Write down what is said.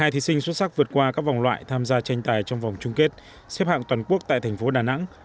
một mươi hai thí sinh xuất sắc vượt qua các vòng loại tham gia tranh tài trong vòng trung kết xếp hạng toàn quốc tại thành phố đà nẵng